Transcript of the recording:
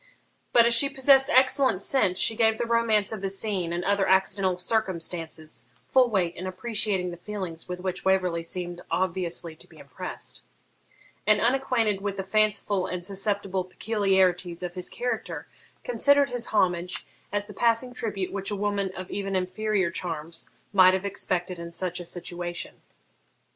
But, as she possessed excellent sense, she gave the romance of the scene and other accidental circumstances full weight in appreciating the feelings with which Waverley seemed obviously to be impressed; and, unacquainted with the fanciful and susceptible peculiarities of his character, considered his homage as the passing tribute which a woman of even inferior charms might have expected in such a situation.